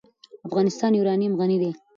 افغانستان په یورانیم غني دی.